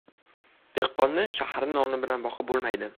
• Dehqonni shaharning noni bilan boqib bo‘lmaydi.